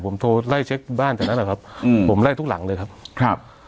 ผมโทรไล่เช็คบ้านแถวนั้นแหละครับอืมผมไล่ทุกหลังเลยครับครับ